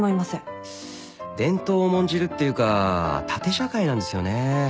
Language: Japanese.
伝統を重んじるっていうか縦社会なんですよね。